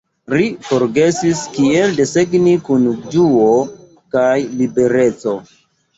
Ri forgesis kiel desegni kun ĝuo kaj libereco.